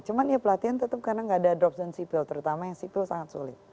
cuman ya pelatihan tetap karena nggak ada dropson sipil terutama yang sipil sangat sulit